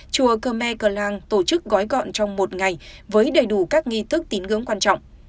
chùa cơ me cờ làng tổ chức gói gọn trong một ngày với đầy đủ các nghi thức tín ngưỡng quan trọng